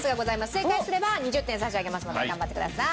正解すれば２０点差し上げますので頑張ってください。